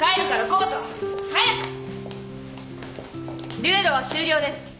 決闘は終了です。